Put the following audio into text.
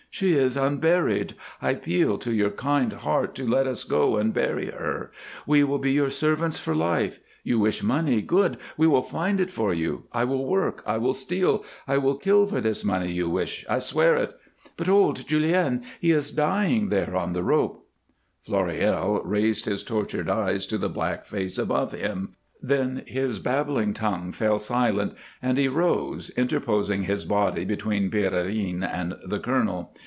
"She is unburied. I appeal to your kind heart to let us go and bury her. We will be your servants for life. You wish money. Good! We will find it for you. I will work, I will steal, I will kill for this money you wish I swear it. But old Julien, he is dying there on the rope " Floréal raised his tortured eyes to the black face above him, then his babbling tongue fell silent and he rose, interposing his body between Pierrine and the colonel.